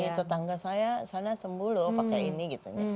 ini tetangga saya saya sembuh loh pakai ini gitu